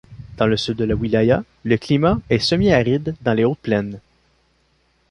Dans le sud de la Wilaya, le climat est semi-aride dans les hautes plaines.